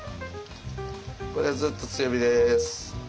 これはずっと強火です。